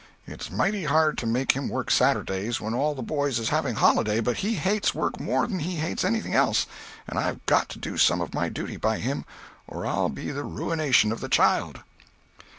It's mighty hard to make him work Saturdays, when all the boys is having holiday, but he hates work more than he hates anything else, and I've got to do some of my duty by him, or I'll be the ruination of the child."